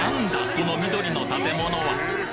この緑の建物は！？